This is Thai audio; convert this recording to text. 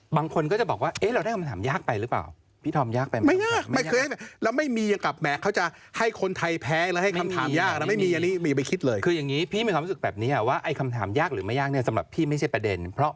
บางคนก็บอกว่าเราได้คำถามยากไปหรือเปล่า